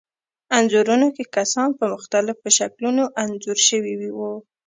انځورونو کې کسان په مختلفو شکلونو انځور شوي وو.